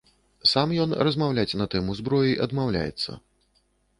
Сам ён размаўляць на тэму зброі адмаўляецца.